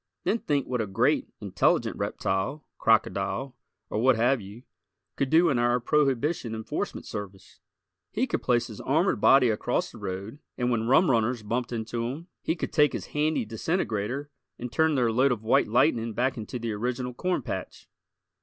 Then think what a great, intelligent reptile, crocodile, or what have you, could do in our Prohibition Enforcement Service! He could place his armored body across the road, and when rum runners bumped into him he could take his handy disintegrator and turn their load of white lightning back into the original corn patch!